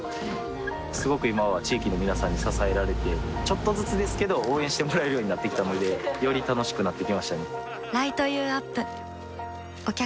すごく今は地域の皆さんに支えられてちょっとずつですけど応援してもらえるようになってきたのでより楽しくなってきましたね